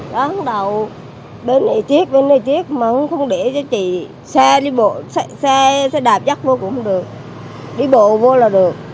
đã hắn đậu bên này chiếc bên này chiếc mà hắn không để cho chị xe đi bộ xe đạp dắt vô cũng không được đi bộ vô là được